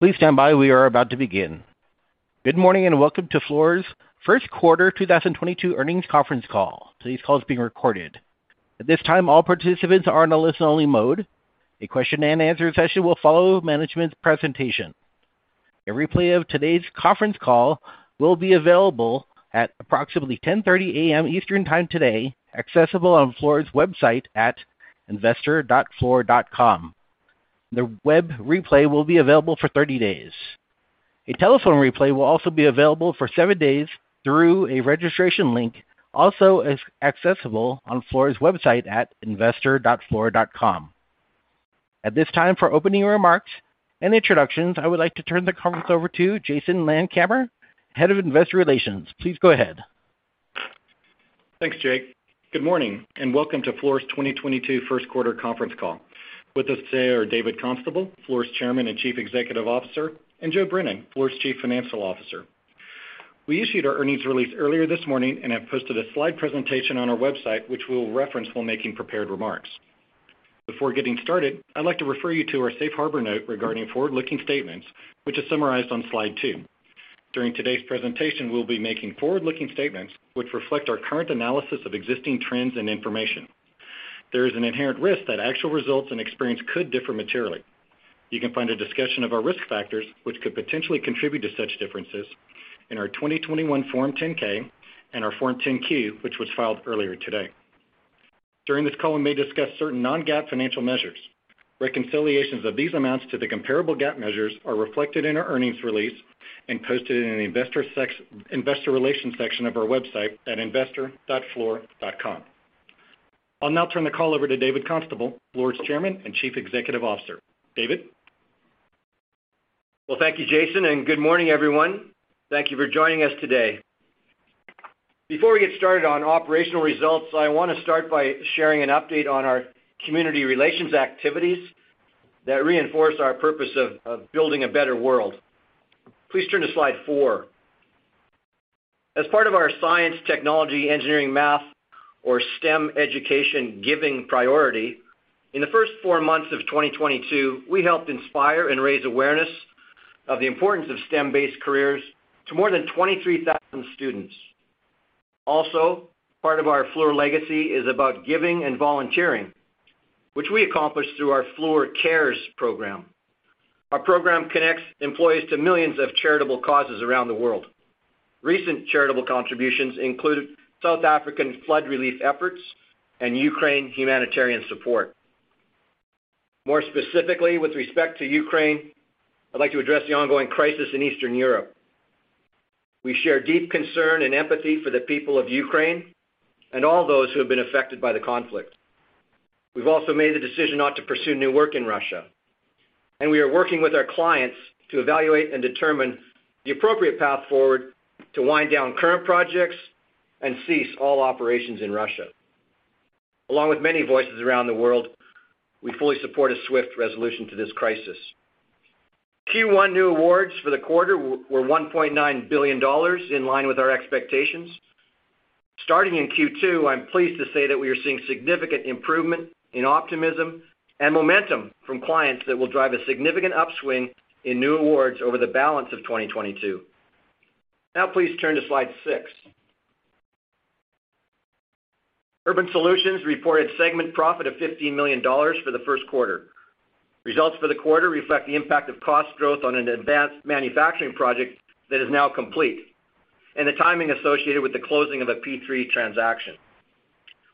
Please stand by. We are about to begin. Good morning, and welcome to Fluor's first quarter 2022 earnings conference call. Today's call is being recorded. At this time, all participants are in a listen only mode. A question and answer session will follow management's presentation. A replay of today's conference call will be available at approximately 10:30 A.M. Eastern time today, accessible on Fluor's website at investor.fluor.com. The web replay will be available for 30 days. A telephone replay will also be available for 7 days through a registration link, also is accessible on Fluor's website at investor.fluor.com. At this time, for opening remarks and introductions, I would like to turn the conference over to Jason Landkamer, Head of Investor Relations. Please go ahead. Thanks, Jake. Good morning, and welcome to Fluor's 2022 first quarter conference call. With us today are David Constable, Fluor's Chairman and Chief Executive Officer, and Joe Brennan, Fluor's Chief Financial Officer. We issued our earnings release earlier this morning and have posted a slide presentation on our website, which we'll reference while making prepared remarks. Before getting started, I'd like to refer you to our Safe Harbor note regarding forward-looking statements, which is summarized on slide 2. During today's presentation, we'll be making forward-looking statements which reflect our current analysis of existing trends and information. There is an inherent risk that actual results and experience could differ materially. You can find a discussion of our risk factors which could potentially contribute to such differences in our 2021 Form 10-K and our Form 10-Q, which was filed earlier today. During this call, we may discuss certain non-GAAP financial measures. Reconciliations of these amounts to the comparable GAAP measures are reflected in our earnings release and posted in the investor relations section of our website at investor.fluor.com. I'll now turn the call over to David Constable, Fluor's Chairman and Chief Executive Officer. David? Well, thank you, Jason, and good morning, everyone. Thank you for joining us today. Before we get started on operational results, I wanna start by sharing an update on our community relations activities that reinforce our purpose of building a better world. Please turn to slide four. As part of our science, technology, engineering, math, or STEM education giving priority, in the first 4 months of 2022, we helped inspire and raise awareness of the importance of STEM-based careers to more than 23,000 students. Also, part of our Fluor legacy is about giving and volunteering, which we accomplish through our Fluor Cares program. Our program connects employees to millions of charitable causes around the world. Recent charitable contributions include South African flood relief efforts and Ukraine humanitarian support. More specifically, with respect to Ukraine, I'd like to address the ongoing crisis in Eastern Europe. We share deep concern and empathy for the people of Ukraine and all those who have been affected by the conflict. We've also made the decision not to pursue new work in Russia, and we are working with our clients to evaluate and determine the appropriate path forward to wind down current projects and cease all operations in Russia. Along with many voices around the world, we fully support a swift resolution to this crisis. Q1 new awards for the quarter were $1 billion, in line with our expectations. Starting in Q2, I'm pleased to say that we are seeing significant improvement in optimism and momentum from clients that will drive a significant upswing in new awards over the balance of 2022. Now please turn to slide 6. Urban Solutions reported segment profit of $15 million for the first quarter. Results for the quarter reflect the impact of cost growth on an advanced manufacturing project that is now complete, and the timing associated with the closing of a P3 transaction.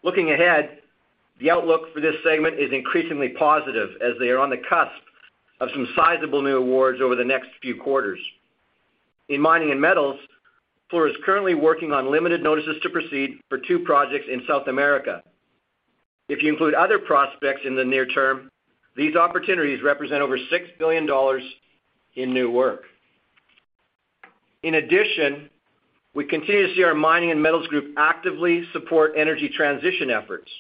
Looking ahead, the outlook for this segment is increasingly positive as they are on the cusp of some sizable new awards over the next few quarters. In mining and metals, Fluor is currently working on limited notices to proceed for two projects in South America. If you include other prospects in the near term, these opportunities represent over $6 billion in new work. In addition, we continue to see our mining and metals group actively support energy transition efforts.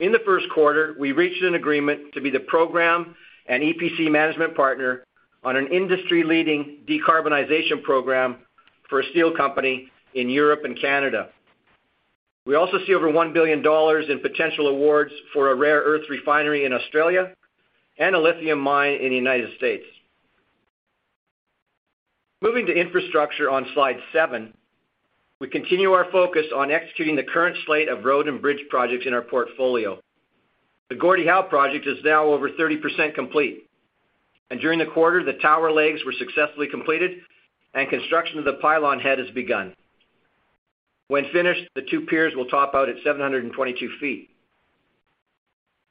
In the first quarter, we reached an agreement to be the program and EPC management partner on an industry-leading decarbonization program for a steel company in Europe and Canada. We also see over $1 billion in potential awards for a rare earth refinery in Australia and a lithium mine in the United States. Moving to infrastructure on slide 7, we continue our focus on executing the current slate of road and bridge projects in our portfolio. The Gordie Howe Project is now over 30% complete, and during the quarter, the tower legs were successfully completed and construction of the pylon head has begun. When finished, the two piers will top out at 722 feet.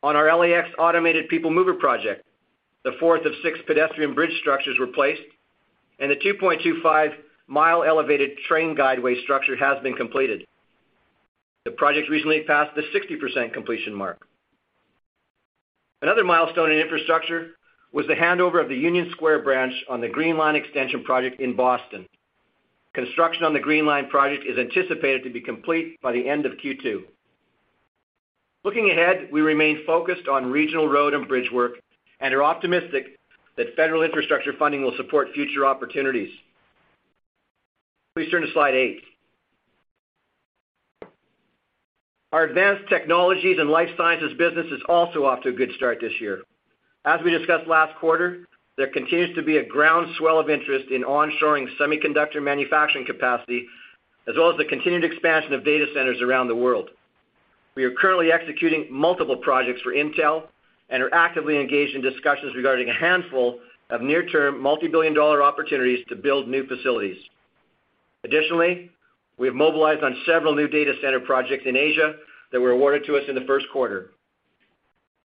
On our LAX Automated People Mover project, the fourth of six pedestrian bridge structures were placed, and the 2.25-mile elevated train guideway structure has been completed. The project recently passed the 60% completion mark. Another milestone in infrastructure was the handover of the Union Square branch on the Green Line Extension project in Boston. Construction on the Green Line Extension is anticipated to be complete by the end of Q2. Looking ahead, we remain focused on regional road and bridge work and are optimistic that federal infrastructure funding will support future opportunities. Please turn to slide 8. Our advanced technologies and life sciences business is also off to a good start this year. As we discussed last quarter, there continues to be a groundswell of interest in onshoring semiconductor manufacturing capacity, as well as the continued expansion of data centers around the world. We are currently executing multiple projects for Intel and are actively engaged in discussions regarding a handful of near-term multi-billion dollar opportunities to build new facilities. Additionally, we have mobilized on several new data center projects in Asia that were awarded to us in the first quarter.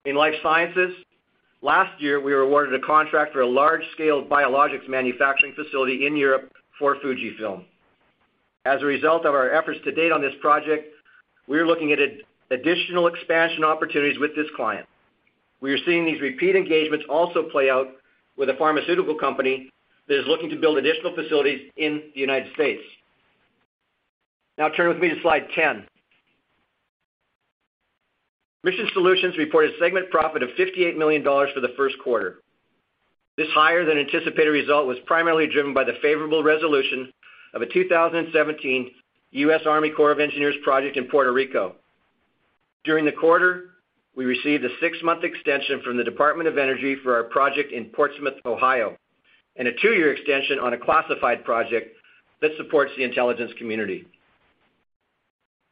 In life sciences, last year, we were awarded a contract for a large-scale biologics manufacturing facility in Europe for Fujifilm. As a result of our efforts to date on this project, we are looking at additional expansion opportunities with this client. We are seeing these repeat engagements also play out with a pharmaceutical company that is looking to build additional facilities in the United States. Now turn with me to slide 10. Mission Solutions reported segment profit of $58 million for the first quarter. This higher than anticipated result was primarily driven by the favorable resolution of a 2017 U.S. Army Corps of Engineers project in Puerto Rico. During the quarter, we received a 6-month extension from the U.S. Department of Energy for our project in Portsmouth, Ohio, and a 2-year extension on a classified project that supports the intelligence community.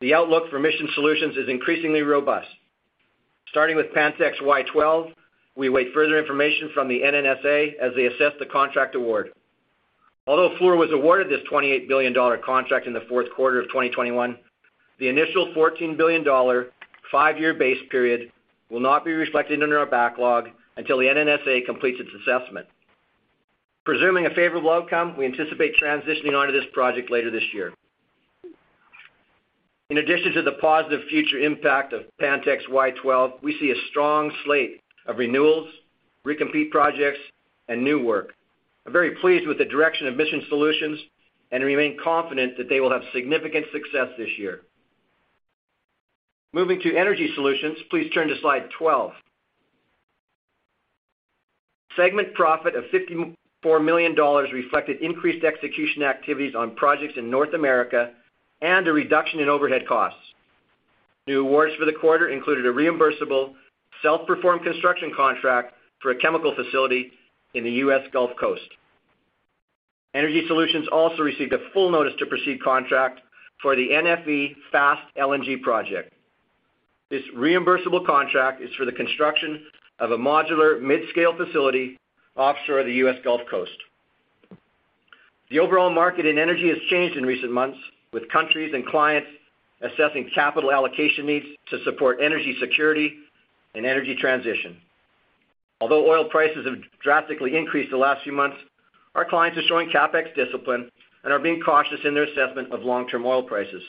The outlook for Mission Solutions is increasingly robust. Starting with Pantex/Y-12, we await further information from the NNSA as they assess the contract award. Although Fluor was awarded this $28 billion contract in the fourth quarter of 2021, the initial $14 billion 5-year base period will not be reflected under our backlog until the NNSA completes its assessment. Presuming a favorable outcome, we anticipate transitioning onto this project later this year. In addition to the positive future impact of Pantex/Y-12, we see a strong slate of renewals, recompete projects, and new work. I'm very pleased with the direction of Mission Solutions and remain confident that they will have significant success this year. Moving to Energy Solutions, please turn to slide 12. Segment profit of $54 million reflected increased execution activities on projects in North America and a reduction in overhead costs. New awards for the quarter included a reimbursable self-performed construction contract for a chemical facility in the U.S. Gulf Coast. Energy Solutions also received a full notice to proceed contract for the NFE Fast LNG project. This reimbursable contract is for the construction of a modular mid-scale facility offshore the U.S. Gulf Coast. The overall market in energy has changed in recent months, with countries and clients assessing capital allocation needs to support energy security and energy transition. Although oil prices have drastically increased the last few months, our clients are showing CapEx discipline and are being cautious in their assessment of long-term oil prices.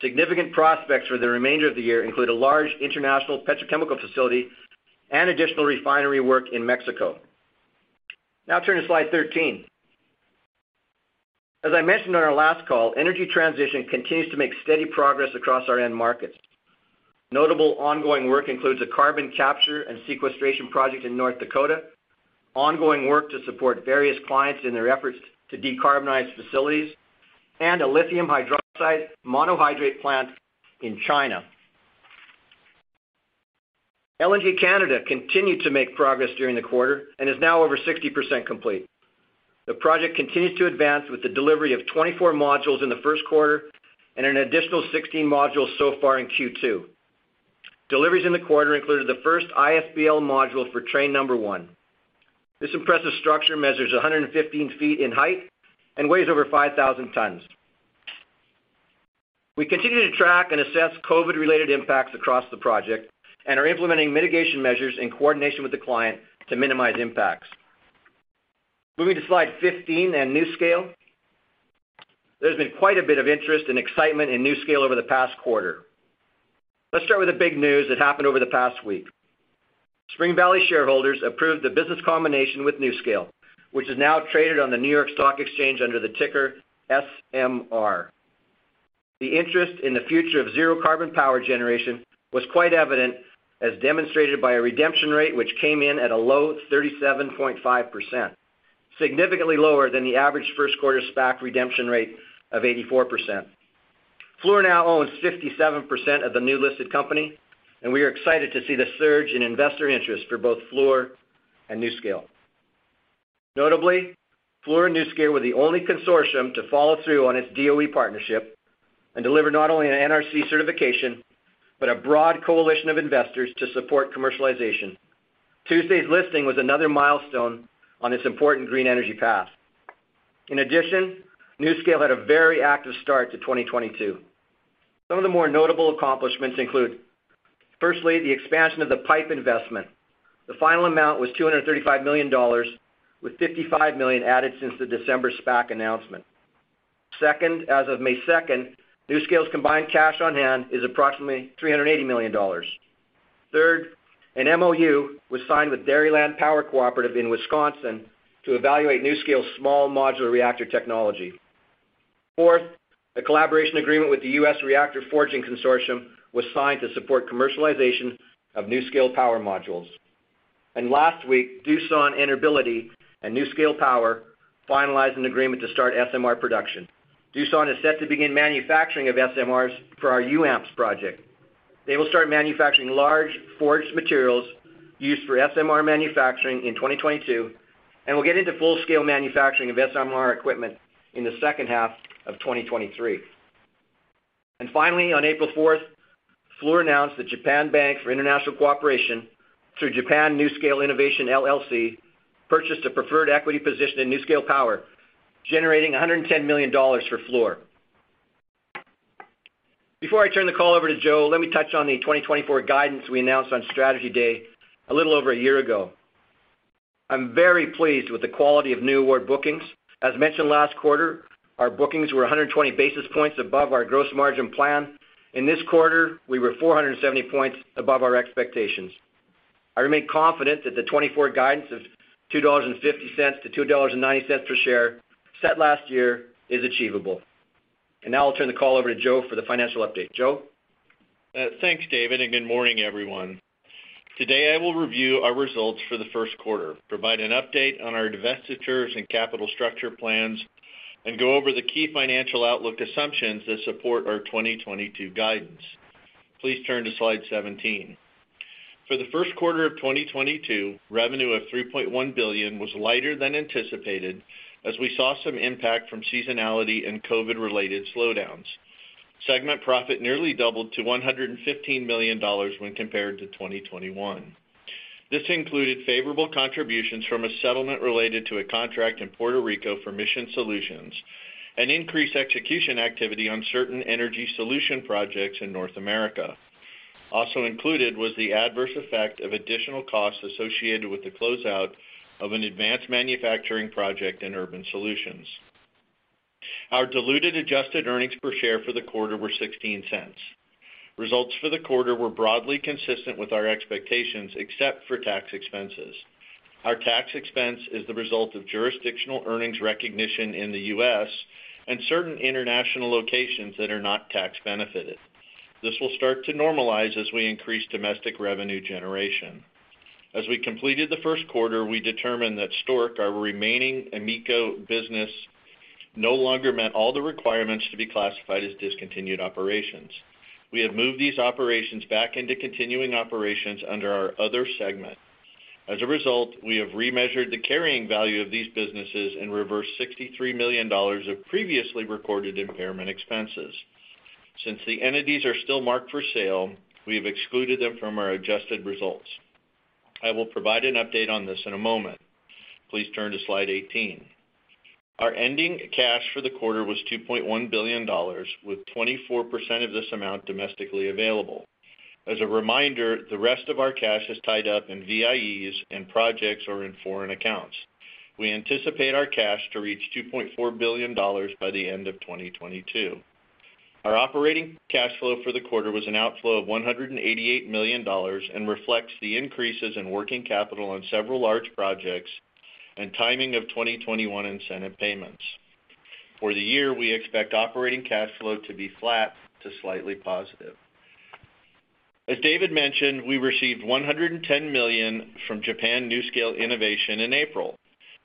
Significant prospects for the remainder of the year include a large international petrochemical facility and additional refinery work in Mexico. Now turn to slide 13. As I mentioned on our last call, energy transition continues to make steady progress across our end markets. Notable ongoing work includes a carbon capture and sequestration project in North Dakota, ongoing work to support various clients in their efforts to decarbonize facilities, and a lithium hydroxide monohydrate plant in China. LNG Canada continued to make progress during the quarter and is now over 60% complete. The project continues to advance with the delivery of 24 modules in the first quarter and an additional 16 modules so far in Q2. Deliveries in the quarter included the first IFBL module for train number one. This impressive structure measures 115 feet in height and weighs over 5,000 tons. We continue to track and assess COVID-related impacts across the project and are implementing mitigation measures in coordination with the client to minimize impacts. Moving to slide 15 and NuScale. There's been quite a bit of interest and excitement in NuScale over the past quarter. Let's start with the big news that happened over the past week. Spring Valley shareholders approved the business combination with NuScale, which is now traded on the New York Stock Exchange under the ticker SMR. The interest in the future of zero carbon power generation was quite evident as demonstrated by a redemption rate which came in at a low 37.5%, significantly lower than the average first quarter SPAC redemption rate of 84%. Fluor now owns 57% of the new listed company, and we are excited to see the surge in investor interest for both Fluor and NuScale. Notably, Fluor and NuScale were the only consortium to follow through on its DOE partnership and deliver not only an NRC certification, but a broad coalition of investors to support commercialization. Tuesday's listing was another milestone on this important green energy path. In addition, NuScale had a very active start to 2022. Some of the more notable accomplishments include, firstly, the expansion of the PIPE investment. The final amount was $235 million, with $55 million added since the December SPAC announcement. Second, as of May 2, NuScale's combined cash on hand is approximately $380 million. Third, an MOU was signed with Dairyland Power Cooperative in Wisconsin to evaluate NuScale's small modular reactor technology. Fourth, a collaboration agreement with the U.S. Reactor Forging Consortium was signed to support commercialization of NuScale power modules. Last week, Doosan Enerbility and NuScale Power finalized an agreement to start SMR production. Doosan is set to begin manufacturing of SMRs for our UAMPS project. They will start manufacturing large forged materials used for SMR manufacturing in 2022, and will get into full-scale manufacturing of SMR equipment in the second half of 2023. Finally, on April 4, Fluor announced that Japan Bank for International Cooperation through Japan NuScale Innovation, LLC, purchased a preferred equity position in NuScale Power, generating $110 million for Fluor. Before I turn the call over to Joe, let me touch on the 2024 guidance we announced on Strategy Day a little over a year ago. I'm very pleased with the quality of new award bookings. As mentioned last quarter, our bookings were 120 basis points above our gross margin plan. In this quarter, we were 470 points above our expectations. I remain confident that the 2024 guidance of $2.50 to $2.90 per share set last year is achievable. Now I'll turn the call over to Joe for the financial update. Joe? Thanks, David, and good morning, everyone. Today, I will review our results for the first quarter, provide an update on our divestitures and capital structure plans, and go over the key financial outlook assumptions that support our 2022 guidance. Please turn to slide 17. For the first quarter of 2022, revenue of $3.1 billion was lighter than anticipated as we saw some impact from seasonality and COVID-related slowdowns. Segment profit nearly doubled to $115 million when compared to 2021. This included favorable contributions from a settlement related to a contract in Puerto Rico for Mission Solutions and increased execution activity on certain Energy Solutions projects in North America. Also included was the adverse effect of additional costs associated with the closeout of an advanced manufacturing project in Urban Solutions. Our diluted adjusted earnings per share for the quarter were $0.16. Results for the quarter were broadly consistent with our expectations, except for tax expenses. Our tax expense is the result of jurisdictional earnings recognition in the U.S. and certain international locations that are not tax-benefited. This will start to normalize as we increase domestic revenue generation. As we completed the first quarter, we determined that Stork, our remaining AMECO business, no longer met all the requirements to be classified as discontinued operations. We have moved these operations back into continuing operations under our other segment. As a result, we have remeasured the carrying value of these businesses and reversed $63 million of previously recorded impairment expenses. Since the entities are still marked for sale, we have excluded them from our adjusted results. I will provide an update on this in a moment. Please turn to slide 18. Our ending cash for the quarter was $2.1 billion, with 24% of this amount domestically available. As a reminder, the rest of our cash is tied up in VIEs and projects or in foreign accounts. We anticipate our cash to reach $2.4 billion by the end of 2022. Our operating cash flow for the quarter was an outflow of $188 million and reflects the increases in working capital on several large projects and timing of 2021 incentive payments. For the year, we expect operating cash flow to be flat to slightly positive. As David mentioned, we received $110 million from Japan NuScale Innovation in April.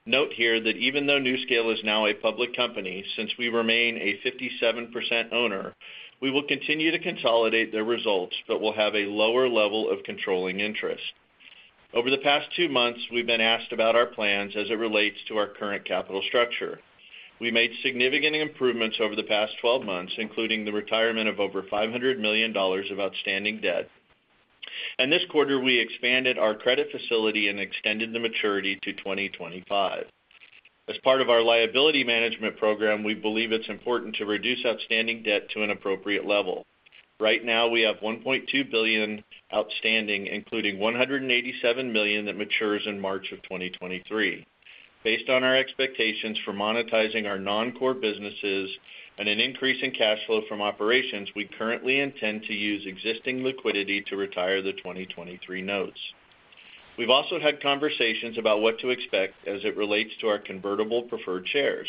Note here that even though NuScale is now a public company, since we remain a 57% owner, we will continue to consolidate their results but will have a lower level of controlling interest. Over the past 2 months, we've been asked about our plans as it relates to our current capital structure. We made significant improvements over the past 12 months, including the retirement of over $500 million of outstanding debt. This quarter, we expanded our credit facility and extended the maturity to 2025. As part of our liability management program, we believe it's important to reduce outstanding debt to an appropriate level. Right now, we have $1.2 billion outstanding, including $187 million that matures in March 2023. Based on our expectations for monetizing our non-core businesses and an increase in cash flow from operations, we currently intend to use existing liquidity to retire the 2023 notes. We've also had conversations about what to expect as it relates to our convertible preferred shares.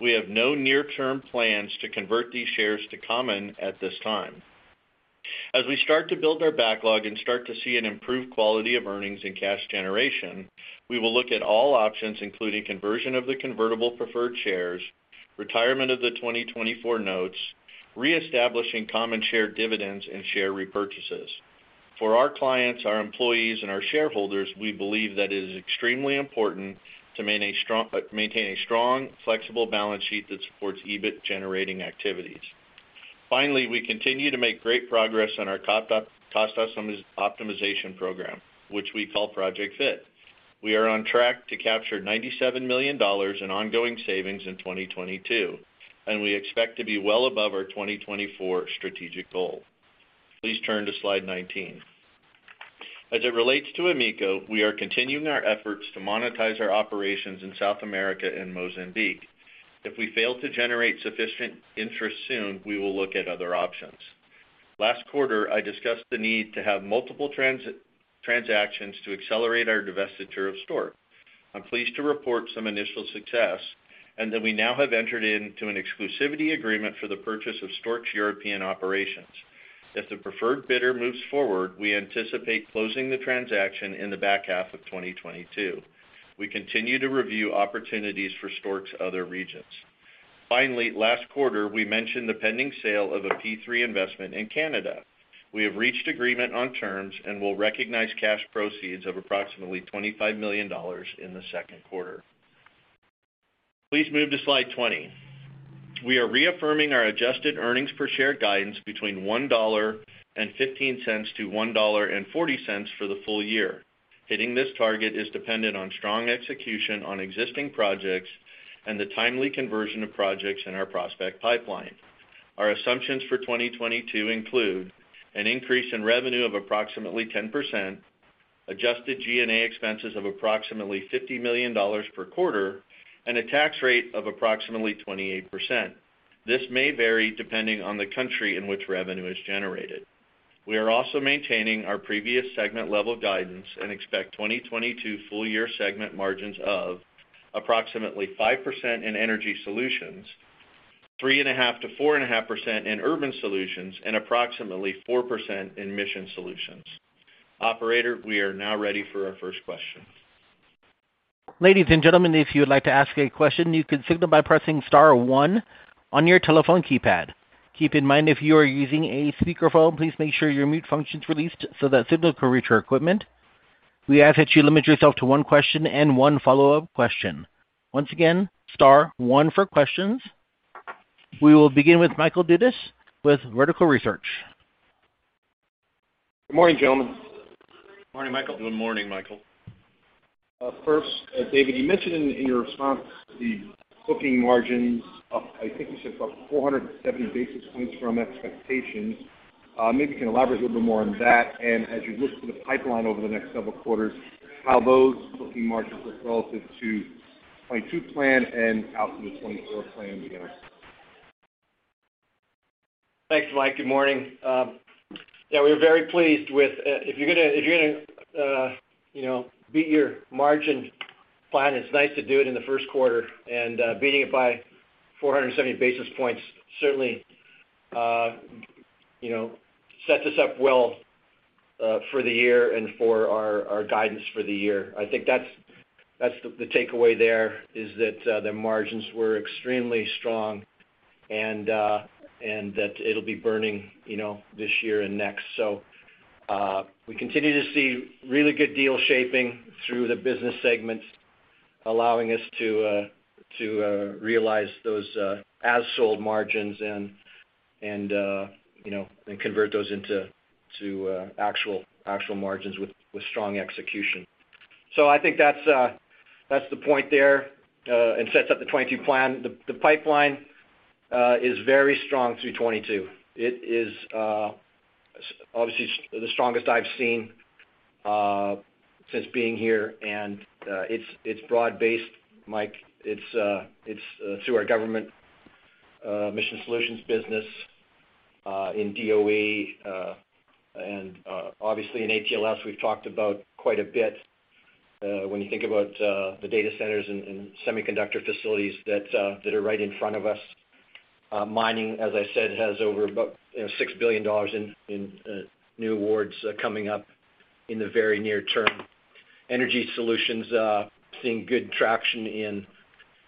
We have no near-term plans to convert these shares to common at this time. As we start to build our backlog and start to see an improved quality of earnings and cash generation, we will look at all options, including conversion of the convertible preferred shares, retirement of the 2024 notes, reestablishing common share dividends, and share repurchases. For our clients, our employees, and our shareholders, we believe that it is extremely important to maintain a strong, flexible balance sheet that supports EBIT-generating activities. Finally, we continue to make great progress on our cost optimization program, which we call Project Fit. We are on track to capture $97 million in ongoing savings in 2022, and we expect to be well above our 2024 strategic goal. Please turn to slide 19. As it relates to AMECO, we are continuing our efforts to monetize our operations in South America and Mozambique. If we fail to generate sufficient interest soon, we will look at other options. Last quarter, I discussed the need to have multiple transactions to accelerate our divestiture of Stork. I'm pleased to report some initial success, and that we now have entered into an exclusivity agreement for the purchase of Stork's European operations. If the preferred bidder moves forward, we anticipate closing the transaction in the back half of 2022. We continue to review opportunities for Stork's other regions. Finally, last quarter, we mentioned the pending sale of a P3 investment in Canada. We have reached agreement on terms and will recognize cash proceeds of approximately $25 million in the second quarter. Please move to slide 20. We are reaffirming our adjusted earnings per share guidance between $1.15-$1.40 for the full year. Hitting this target is dependent on strong execution on existing projects and the timely conversion of projects in our prospect pipeline. Our assumptions for 2022 include an increase in revenue of approximately 10%, adjusted G&A expenses of approximately $50 million per quarter, and a tax rate of approximately 28%. This may vary depending on the country in which revenue is generated. We are also maintaining our previous segment-level guidance and expect 2022 full-year segment margins of approximately 5% in Energy Solutions, 3.5%-4.5% in Urban Solutions, and approximately 4% in Mission Solutions. Operator, we are now ready for our first question. Ladies and gentlemen, if you would like to ask a question, you can signal by pressing star 1 on your telephone keypad. Keep in mind, if you are using a speakerphone, please make sure your mute function is released so that signal can reach our equipment. We ask that you limit yourself to one question and one follow-up question. Once again, star one for questions. We will begin with Michael Dudas with Vertical Research Partners. Good morning, gentlemen. Morning, Michael. Good morning, Michael. First, David, you mentioned in your response the booking margins up, I think you said, up 470 basis points from expectations. Maybe you can elaborate a little bit more on that. As you look to the pipeline over the next several quarters, how those booking margins look relative to 2022 plan and out to the 2024 plan together. Thanks, Mike. Good morning. We were very pleased with if you're gonna you know beat your margin plan, it's nice to do it in the first quarter. Beating it by 470 basis points certainly you know sets us up well for the year and for our guidance for the year. I think that's the takeaway there is that the margins were extremely strong and that'll be burning you know this year and next. We continue to see really good deal shaping through the business segments, allowing us to realize those as sold margins and you know and convert those into actual margins with strong execution. I think that's the point there and sets up the 2022 plan. The pipeline is very strong through 2022. It is obviously the strongest I've seen since being here. It's broad-based, Mike. It's through our government Mission Solutions business in DOE and obviously in ATLS. We've talked about quite a bit when you think about the data centers and semiconductor facilities that are right in front of us. Mining, as I said, has over about $6 billion in new awards coming up in the very near term. Energy Solutions seeing good traction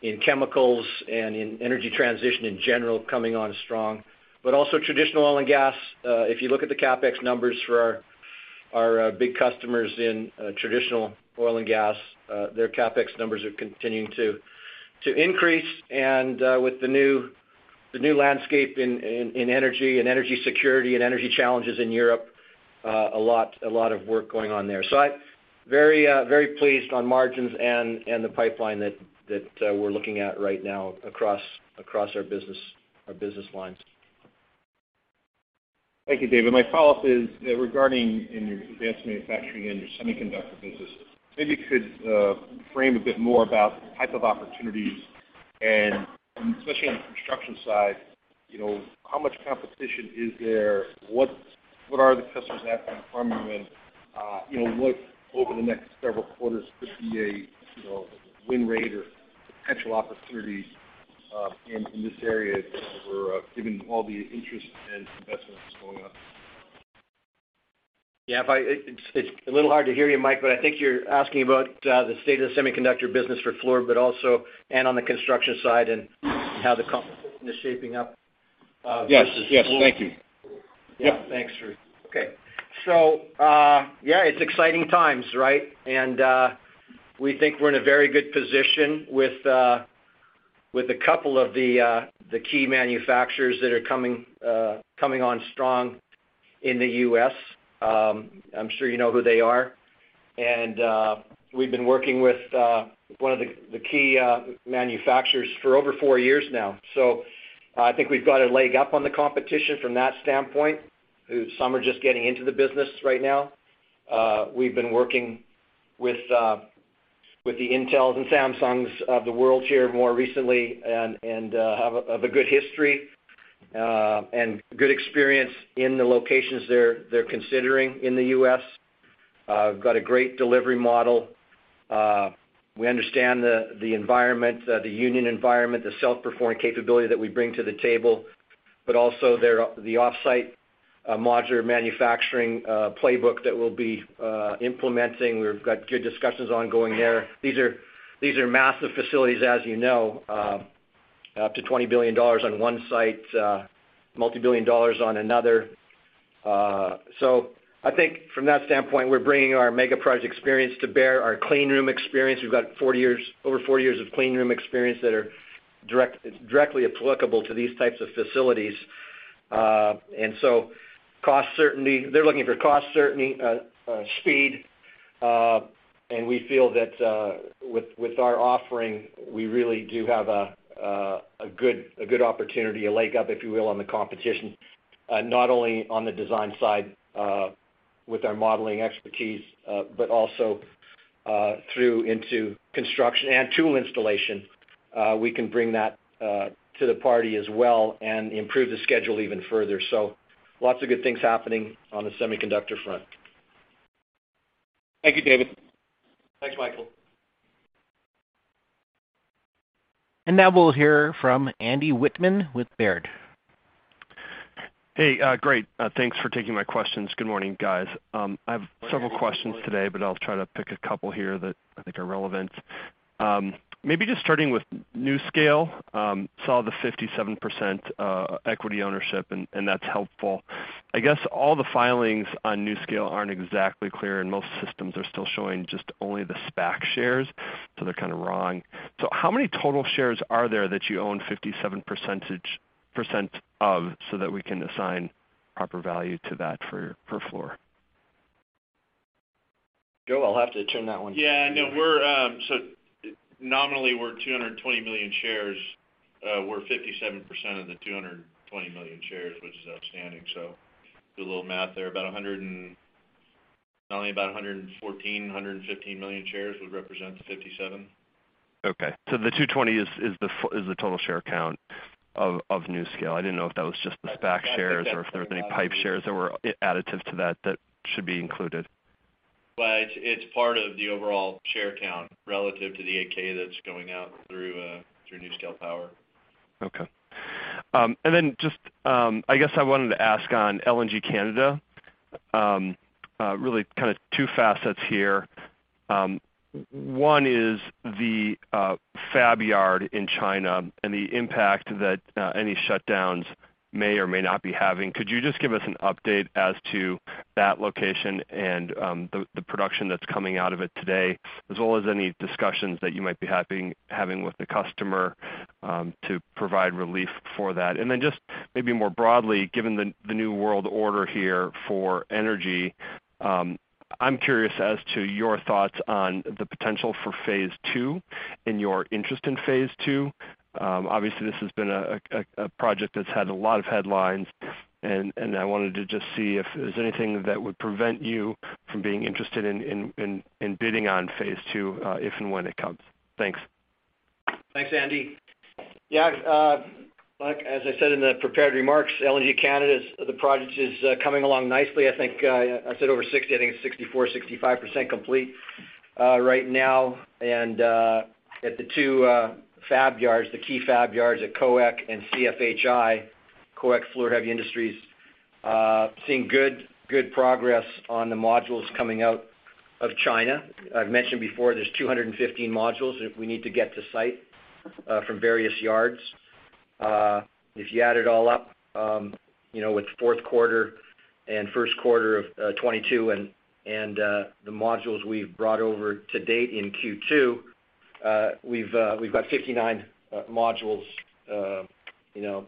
in chemicals and in energy transition in general coming on strong. traditional oil and gas, if you look at the CapEx numbers for our big customers in traditional oil and gas, their CapEx numbers are continuing to increase. With the new landscape in energy and energy security and energy challenges in Europe, a lot of work going on there. I'm very pleased on margins and the pipeline that we're looking at right now across our business lines. Thank you, David. My follow-up is regarding in your advanced manufacturing and your semiconductor business, maybe you could frame a bit more about the type of opportunities and especially on the construction side, you know, how much competition is there? What are the customers asking from you? And you know, what over the next several quarters could be a you know win rate or potential opportunities in this area for given all the interest and investments that's going on? It's a little hard to hear you, Michael, but I think you're asking about the state of the semiconductor business for Fluor, but also, and on the construction side and how the competition is shaping up. Yes. Yes. Thank you. Thanks. Sure. Okay. It's exciting times, right? We think we're in a very good position with a couple of the key manufacturers that are coming on strong in the U.S. I'm sure you know who they are. We've been working with one of the key manufacturers for over four years now. I think we've got a leg up on the competition from that standpoint, who some are just getting into the business right now. We've been working with the Intels and Samsungs of the world here more recently and have a good history and good experience in the locations they're considering in the U.S. We've got a great delivery model. We understand the environment, the union environment, the self-performing capability that we bring to the table, but also the offsite modular manufacturing playbook that we'll be implementing. We've got good discussions ongoing there. These are massive facilities as you know, up to $20 billion on one site, $multi-billion on another. I think from that standpoint, we're bringing our megaproject experience to bear, our clean room experience. We've got over 40 years of clean room experience that are directly applicable to these types of facilities. Cost certainty. They're looking for cost certainty, speed, and we feel that with our offering, we really do have a good opportunity, a leg up, if you will, on the competition, not only on the design side with our modeling expertise, but also through into construction and tool installation. We can bring that to the party as well and improve the schedule even further. Lots of good things happening on the semiconductor front. Thank you, David. Thanks, Michael. Now we'll hear from Andy Wittmann with Baird. Hey, great. Thanks for taking my questions. Good morning, guys. I have several questions today, but I'll try to pick a couple here that I think are relevant. Maybe just starting with NuScale, saw the 57% equity ownership, and that's helpful. I guess all the filings on NuScale aren't exactly clear, and most systems are still showing just only the SPAC shares, so they're kind of wrong. How many total shares are there that you own 57% of so that we can assign proper value to that for Fluor? Joe, I'll have to turn that one to you. Nominally, we're 220 million shares. We're 57% of the 220 million shares, which is outstanding. Do a little math there. Only about 114, 115 million shares would represent the 57%. Okay. The 220 is the total share count of NuScale. I didn't know if that was just the SPAC shares or if there were any PIPE shares that were additive to that that should be included. It's part of the overall share count relative to the equity that's going out through NuScale Power. Okay. I guess I wanted to ask on LNG Canada, really kind of two facets here. One is the fab yard in China and the impact that any shutdowns may or may not be having. Could you just give us an update as to that location and the production that's coming out of it today, as well as any discussions that you might be having with the customer to provide relief for that? Just maybe more broadly, given the new world order here for energy, I'm curious as to your thoughts on the potential for phase two and your interest in phase 2. Obviously this has been a project that's had a lot of headlines, and I wanted to just see if there's anything that would prevent you from being interested in bidding on phase two, if and when it comes. Thanks. Thanks, Andy. Like, as I said in the prepared remarks, LNG Canada's the project is coming along nicely. I think I said over 60, I think it's 64-65% complete right now. At the two fab yards, the key fab yards at COOEC and CFHI, COOEC Fluor Heavy Industries, seeing good progress on the modules coming out of China. I've mentioned before, there's 215 modules that we need to get to site from various yards. If you add it all up, you know, with fourth quarter and first quarter of 2022 and the modules we've brought over to date in Q2, we've got 59 modules, you know,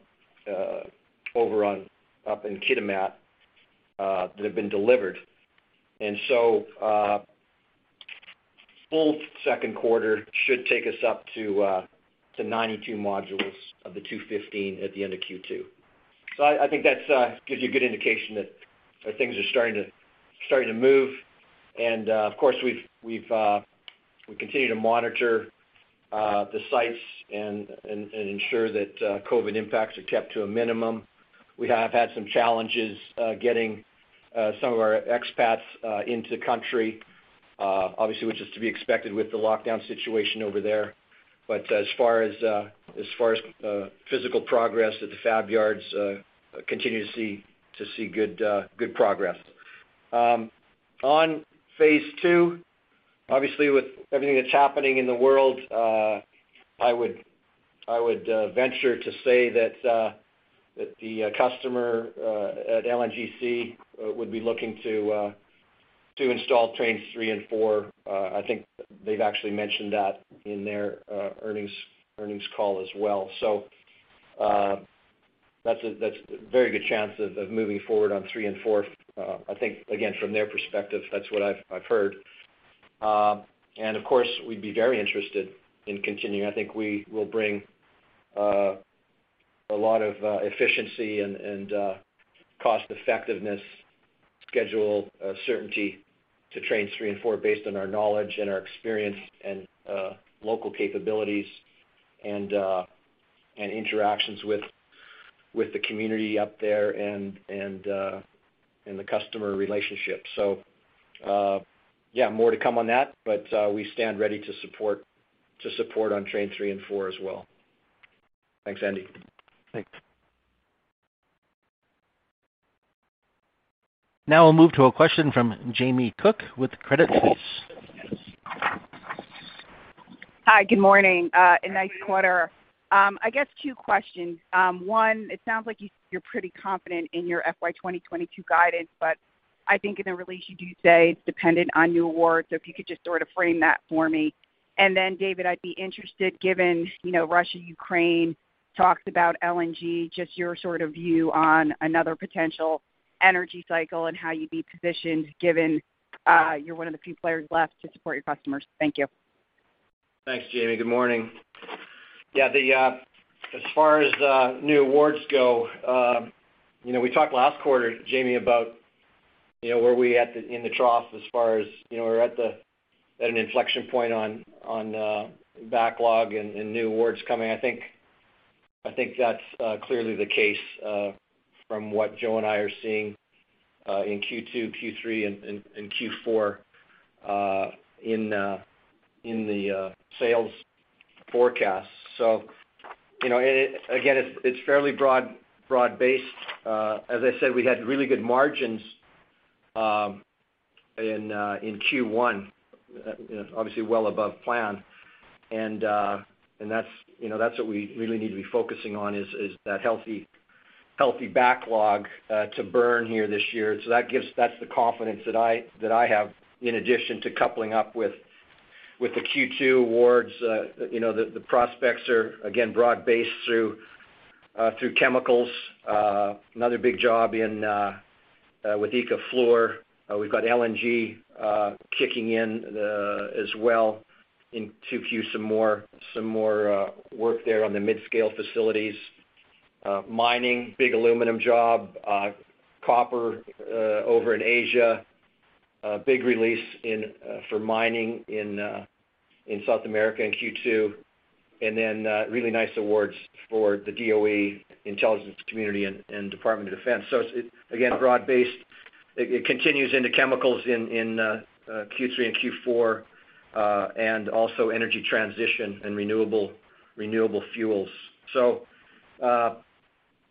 over in Kitimat that have been delivered. Full second quarter should take us up to 92 modules of the 215 at the end of Q2. I think that gives you a good indication that things are starting to move. Of course, we continue to monitor the sites and ensure that COVID impacts are kept to a minimum. We have had some challenges getting some of our expats into the country, obviously, which is to be expected with the lockdown situation over there. As far as physical progress at the fab yards, continue to see good progress. On phase 2, obviously with everything that's happening in the world, I would venture to say that the customer at LNGC would be looking to install trains 3 and 4. I think they've actually mentioned that in their earnings call as well. That's a very good chance of moving forward on 3 and 4. I think, again, from their perspective, that's what I've heard. Of course, we'd be very interested in continuing. I think we will bring a lot of efficiency and cost effectiveness, schedule certainty to trains 3 and 4 based on our knowledge and our experience and local capabilities and interactions with the community up there and the customer relationship. More to come on that, but we stand ready to support on Train 3 and 4 as well. Thanks, Andy. Thanks. Now we'll move to a question from Jamie Cook with Credit Suisse. Hi. Good morning, and nice quarter. I guess two questions. One, it sounds like you're pretty confident in your FY 2022 guidance, but I think in the release you do say it's dependent on new awards. If you could just sort of frame that for me. Then David, I'd be interested given, you know, Russia, Ukraine, talks about LNG, just your sort of view on another potential energy cycle and how you'd be positioned given you're one of the few players left to support your customers. Thank you. Thanks, Jamie. Good morning. As far as new awards go, you know, we talked last quarter, Jamie, about you know, were we at the trough as far as you know, we're at an inflection point on backlog and new awards coming. I think that's clearly the case from what Joe and I are seeing in Q2, Q3, and Q4 in the sales forecast. You know, and it, again, it's fairly broad-based. As I said, we had really good margins in Q1, you know, obviously well above plan. That's what we really need to be focusing on, is that healthy backlog to burn here this year. That gives... That's the confidence that I have in addition to coupling up with the Q2 awards. You know, the prospects are, again, broad-based through chemicals. Another big job with ICA Fluor. We've got LNG kicking in as well in 2Q, some more work there on the mid-scale facilities. Mining, big aluminum job. Copper over in Asia. Big release for mining in South America in Q2. Really nice awards for the DOE intelligence community and Department of Defense. It's, again, broad-based. It continues into chemicals in Q3 and Q4, and also energy transition and renewable fuels.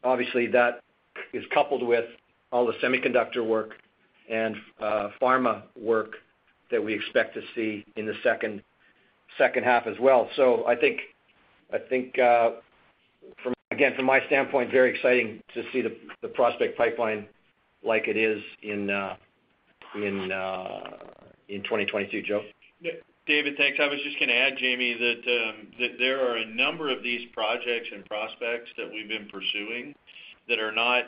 Obviously, that is coupled with all the semiconductor work and pharma work that we expect to see in the second half as well. I think, from, again, from my standpoint, very exciting to see the prospect pipeline like it is in 2022. Joe? David, thanks. I was just gonna add, Jamie, that that there are a number of these projects and prospects that we've been pursuing that are not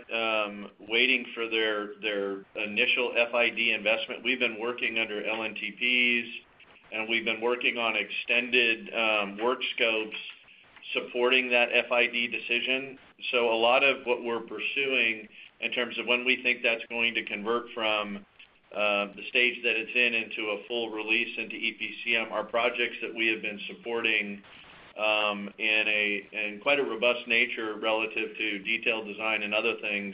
waiting for their initial FID investment. We've been working under LNTPs, and we've been working on extended work scopes supporting that FID decision. A lot of what we're pursuing in terms of when we think that's going to convert from the stage that it's in into a full release into EPCM are projects that we have been supporting in quite a robust nature relative to detailed design and other things.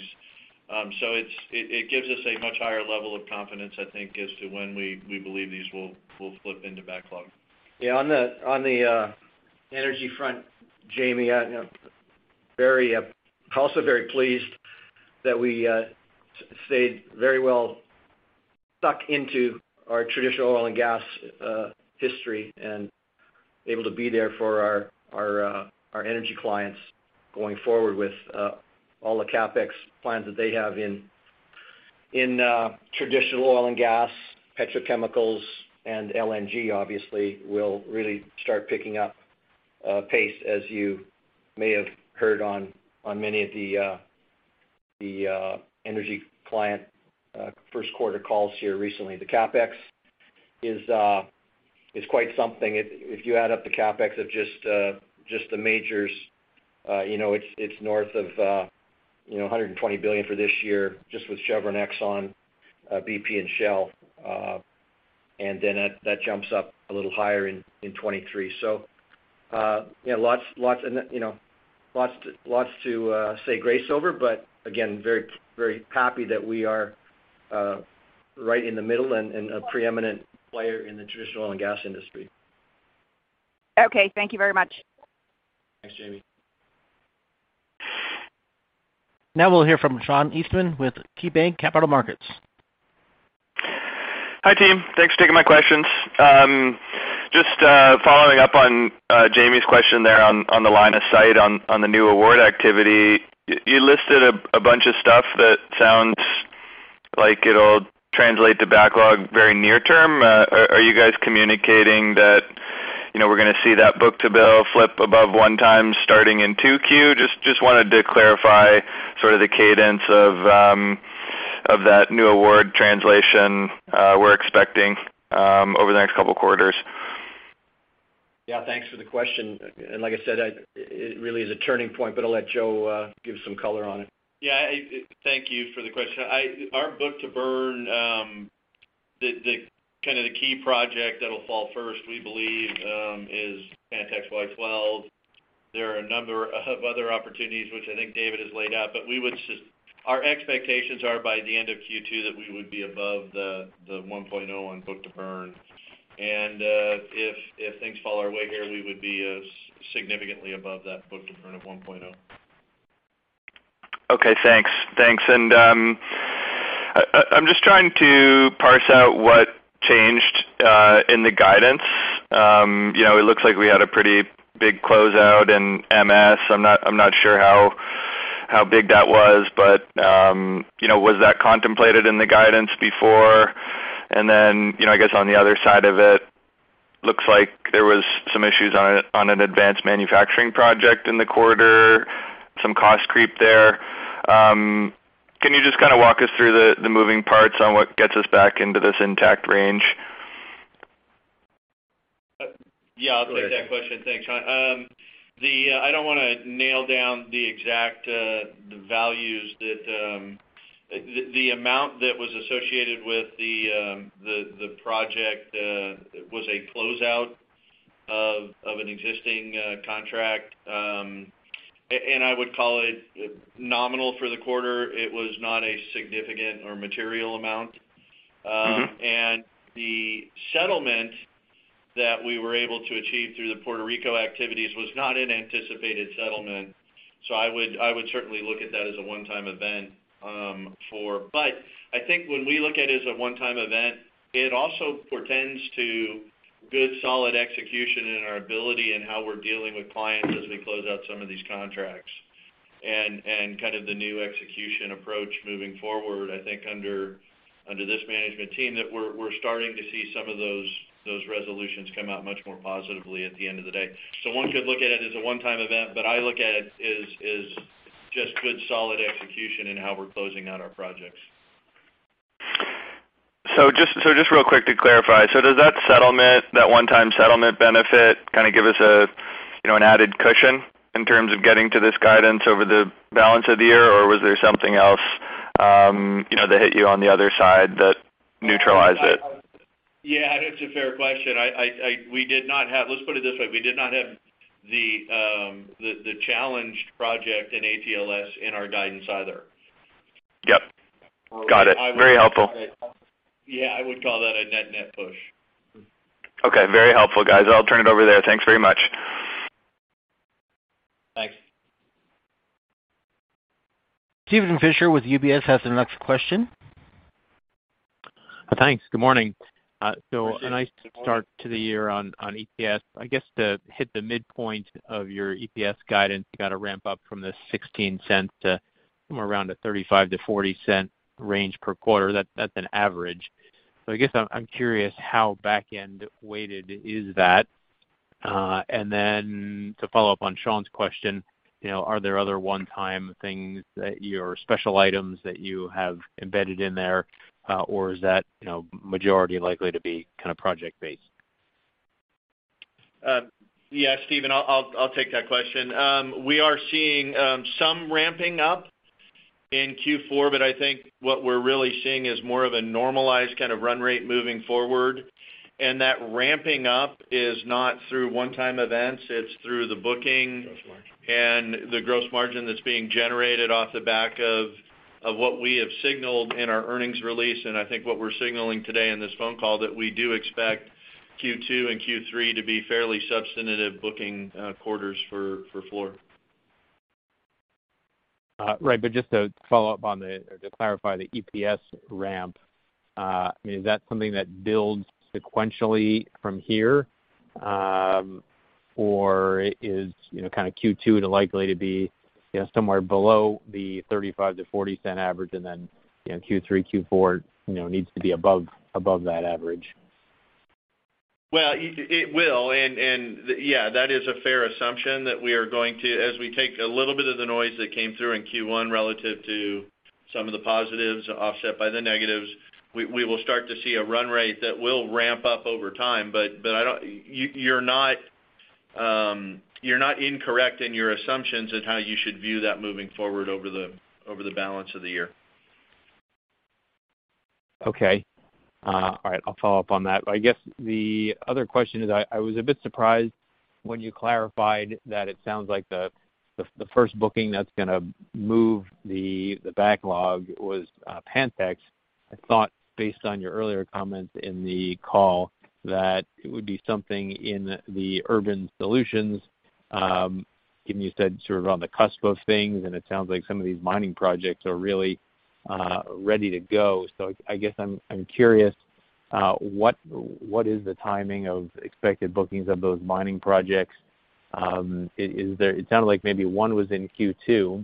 It gives us a much higher level of confidence, I think, as to when we believe these will flip into backlog. On the energy front, Jamie, I, you know, also very pleased that we stayed very well stuck into our traditional oil and gas history and able to be there for our energy clients going forward with all the CapEx plans that they have in traditional oil and gas, petrochemicals. LNG obviously will really start picking up pace as you may have heard on many of the energy client first quarter calls here recently. The CapEx is quite something. If you add up the CapEx of just the majors, you know, it's north of $120 billion for this year just with Chevron, ExxonMobil, BP, and Shell. That jumps up a little higher in 2023. Lots and, you know, lots to say grace over. Again, very, very happy that we are right in the middle and a preeminent player in the traditional oil and gas industry. Okay. Thank you very much. Thanks, Jamie. Now we'll hear from Sean Eastman with KeyBanc Capital Markets. Hi, team. Thanks for taking my questions. Just following up on Jamie's question there on the line of sight on the new award activity. You listed a bunch of stuff that sounds like it'll translate to backlog very near term. Are you guys communicating that, you know, we're gonna see that book to burn flip above 1x starting in 2Q? Just wanted to clarify sort of the cadence of that new award translation we're expecting over the next couple quarters. Thanks for the question. Like I said, it really is a turning point, but I'll let Joe give some color on it. Thank you for the question. Our book to burn, the key project that'll fall first, we believe, is Pantex/Y-12. There are a number of other opportunities which I think David has laid out, but our expectations are by the end of Q2 that we would be above the 1.0 on book to burn. If things fall our way here, we would be significantly above that book to burn of 1.0. Okay, thanks. Thanks. I'm just trying to parse out what changed in the guidance. You know, it looks like we had a pretty big closeout in MS. I'm not sure how big that was, but you know, was that contemplated in the guidance before? You know, I guess on the other side of it, looks like there was some issues on an advanced manufacturing project in the quarter, some cost creep there. Can you just kind of walk us through the moving parts on what gets us back into this intact range? I'll take that question. Thanks, Sean. I don't wanna nail down the exact values that. The amount that was associated with the project was a closeout of an existing contract. I would call it nominal for the quarter. It was not a significant or material amount. The settlement that we were able to achieve through the Puerto Rico activities was not an anticipated settlement. I would certainly look at that as a one-time event. I think when we look at it as a one-time event, it also portends to good, solid execution in our ability and how we're dealing with clients as we close out some of these contracts. Kind of the new execution approach moving forward, I think under this management team that we're starting to see some of those resolutions come out much more positively at the end of the day. One could look at it as a one-time event, but I look at it as just good, solid execution in how we're closing out our projects. Just real quick to clarify. Does that settlement, that one-time settlement benefit, kinda give us a, you know, an added cushion in terms of getting to this guidance over the balance of the year? Or was there something else, you know, that hit you on the other side that neutralized it? That's a fair question. Let's put it this way. We did not have the challenged project in ATLS in our guidance either. Yep. Got it. Very helpful. I would call that a net-net push. Okay, very helpful, guys. I'll turn it over there. Thanks very much. Thanks. Steven Fisher with UBS has the next question. Thanks. Good morning. Good morning. A nice start to the year on EPS. I guess to hit the midpoint of your EPS guidance, you gotta ramp up from the $0.16 to somewhere around a $0.35-$0.40 range per quarter. That's an average. I guess I'm curious how back-end weighted is that. And then to follow up on Sean's question, you know, are there other one-time things that you or special items that you have embedded in there, or is that, you know, most likely to be kind of project-based? Steven, I'll take that question. We are seeing some ramping up in Q4, but I think what we're really seeing is more of a normalized kind of run rate moving forward. That ramping up is not through one-time events. It's through the booking- Gross margin The gross margin that's being generated off the back of what we have signaled in our earnings release, and I think what we're signaling today in this phone call that we do expect Q2 and Q3 to be fairly substantive booking quarters for Fluor. Right. Just to follow up on that, or to clarify the EPS ramp, I mean, is that something that builds sequentially from here? Or is, you know, kind of Q2 likely to be, you know, somewhere below the $0.35-$0.40 average, and then, you know, Q3, Q4, you know, needs to be above that average? Well, it will. That is a fair assumption that we are going to as we take a little bit of the noise that came through in Q1 relative to some of the positives offset by the negatives, we will start to see a run rate that will ramp up over time. I don't. You're not incorrect in your assumptions in how you should view that moving forward over the balance of the year. Okay. All right. I'll follow up on that. I guess the other question is I was a bit surprised when you clarified that it sounds like the first booking that's gonna move the backlog was Pantex. I thought based on your earlier comments in the call that it would be something in the Urban Solutions, given you said sort of on the cusp of things, and it sounds like some of these mining projects are really ready to go. I guess I'm curious, what is the timing of expected bookings of those mining projects? It sounded like maybe one was in Q2.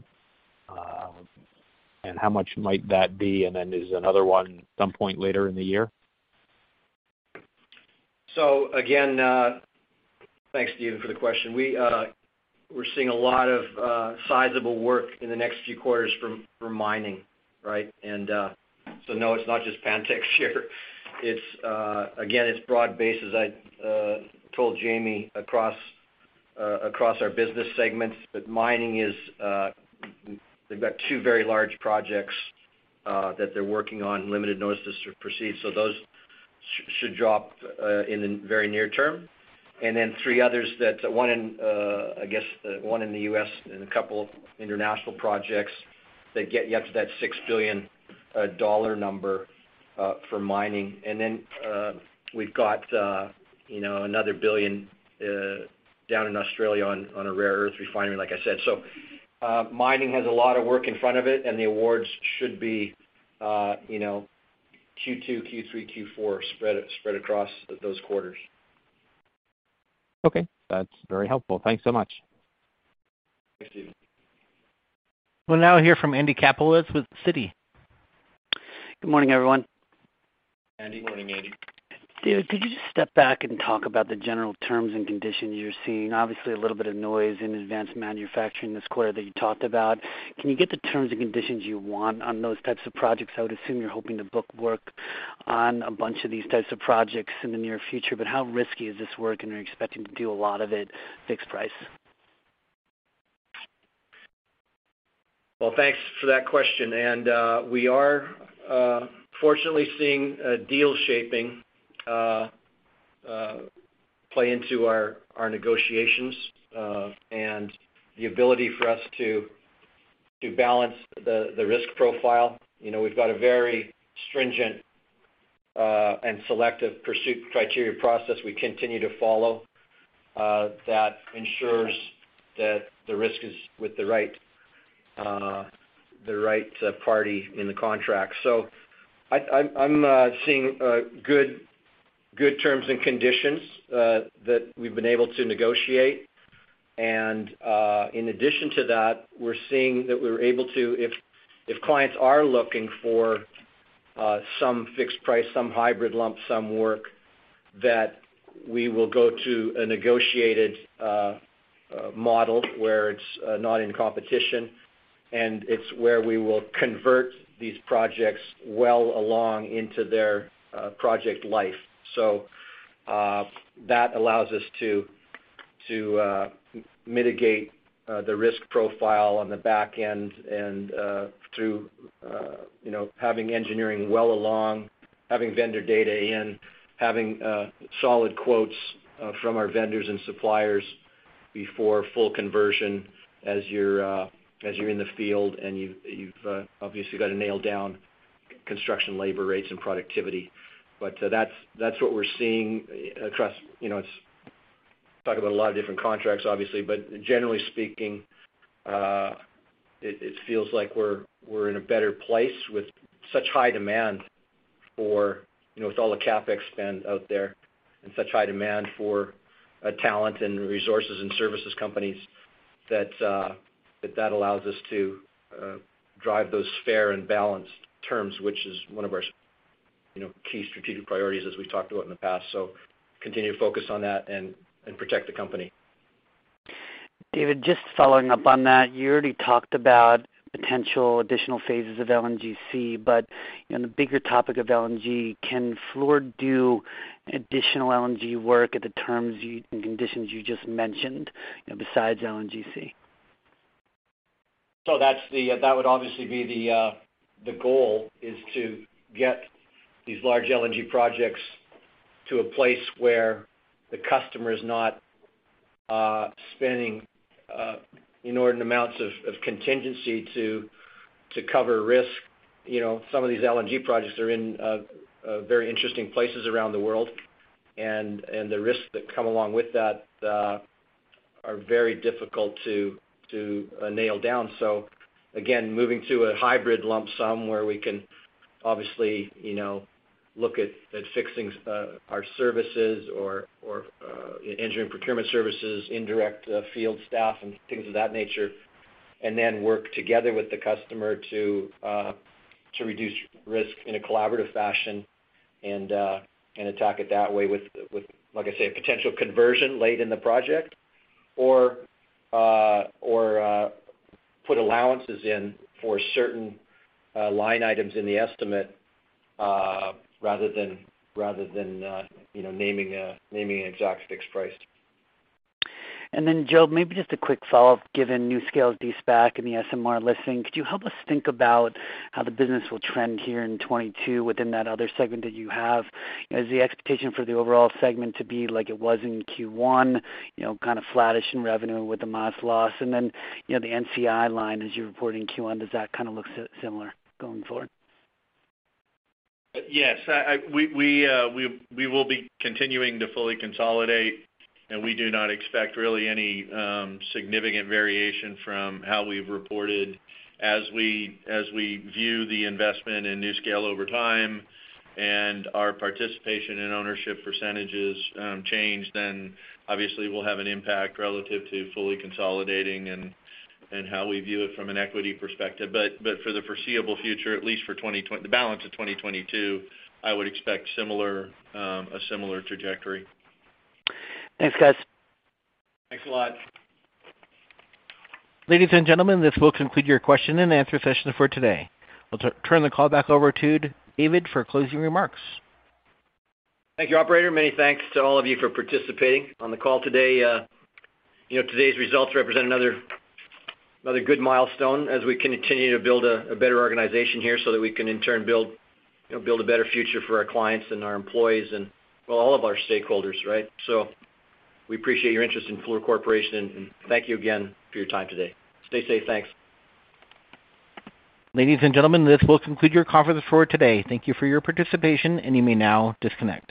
And how much might that be? And then is another one some point later in the year? Again, thanks, Steven, for the question. We We're seeing a lot of sizable work in the next few quarters for mining, right? No, it's not just Pantex share. It's again broad-based, as I told Jamie across our business segments. Mining, they've got two very large projects that they're working on, limited notices to proceed. Those should drop in the very near term. Then three others, one in, I guess, one in the US and a couple international projects that get you up to that $6 billion number for mining. Then we've got, you know, another $1 billion down in Australia on a rare earth refinery, like I said. Mining has a lot of work in front of it, and the awards should be, you know, Q2, Q3, Q4, spread across those quarters. Okay. That's very helpful. Thanks so much. Thanks, Steven. We'll now hear from Andy Kaplowitz with Citi. Good morning, everyone. Andy. Good morning, Andy. David, could you just step back and talk about the general terms and conditions you're seeing? Obviously, a little bit of noise in advanced manufacturing this quarter that you talked about. Can you get the terms and conditions you want on those types of projects? I would assume you're hoping to book work on a bunch of these types of projects in the near future, but how risky is this work, and are you expecting to do a lot of it fixed price? Well, thanks for that question. We are fortunately seeing a deal shaping play into our negotiations and the ability for us to balance the risk profile. You know, we've got a very stringent and selective pursuit criteria process we continue to follow that ensures that the risk is with the right party in the contract. I'm seeing good terms and conditions that we've been able to negotiate. In addition to that, we're seeing that we're able to, if clients are looking for some fixed price, some hybrid lump sum work, that we will go to a negotiated model where it's not in competition and it's where we will convert these projects well along into their project life. That allows us to mitigate the risk profile on the back end and through you know having engineering well along, having vendor data in, having solid quotes from our vendors and suppliers before full conversion as you're in the field and you've obviously got to nail down construction labor rates and productivity. That's what we're seeing across you know. Talk about a lot of different contracts, obviously. Generally speaking, it feels like we're in a better place with such high demand for, you know, with all the CapEx spend out there and such high demand for talent and resources and services companies, that allows us to drive those fair and balanced terms, which is one of our, you know, key strategic priorities as we've talked about in the past. Continue to focus on that and protect the company. David, just following up on that, you already talked about potential additional phases of LNGC, but on the bigger topic of LNG, can Fluor do additional LNG work at the terms and conditions you just mentioned, you know, besides LNGC? That would obviously be the goal, is to get these large LNG projects to a place where the customer is not spending inordinate amounts of contingency to cover risk. You know, some of these LNG projects are in very interesting places around the world, and the risks that come along with that are very difficult to nail down. Again, moving to a hybrid lump sum where we can obviously, you know, look at fixing our services or engineering procurement services, indirect field staff and things of that nature, and then work together with the customer to reduce risk in a collaborative fashion and attack it that way with, like I say, a potential conversion late in the project or put allowances in for certain line items in the estimate, rather than, you know, naming an exact fixed price. Joe, maybe just a quick follow-up, given NuScale's de-SPAC and the SMR listing, could you help us think about how the business will trend here in 2022 within that other segment that you have? Is the expectation for the overall segment to be like it was in Q1, you know, kinda flattish in revenue with a modest loss? You know, the NCI line as you reported in Q1, does that kinda look similar going forward? Yes. We will be continuing to fully consolidate, and we do not expect really any significant variation from how we've reported. As we view the investment in NuScale over time and our participation in ownership percentages change, then obviously we'll have an impact relative to fully consolidating and how we view it from an equity perspective. For the foreseeable future, at least for the balance of 2022, I would expect a similar trajectory. Thanks, guys. Thanks a lot. Ladies and gentlemen, this will conclude your question and answer session for today. I'll turn the call back over to David for closing remarks. Thank you, operator. Many thanks to all of you for participating on the call today. You know, today's results represent another good milestone as we continue to build a better organization here so that we can in turn build, you know, build a better future for our clients and our employees and, well, all of our stakeholders, right? We appreciate your interest in Fluor Corporation, and thank you again for your time today. Stay safe. Thanks. Ladies and gentlemen, this will conclude your conference for today. Thank you for your participation, and you may now disconnect.